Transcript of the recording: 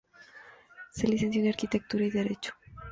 Se licenció en arquitectura y derecho.